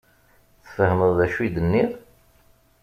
Tfehmeḍ d acu i d-nniɣ?